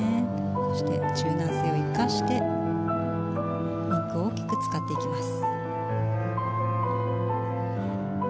そして、柔軟性を生かしてリンクを大きく使っていきます。